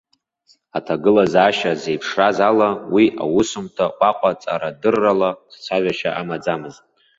Аҭагылазаашьа зеиԥшраз ала, уи аусумҭа уаҟа ҵара-дыррала хцәажәашьа амаӡамызт.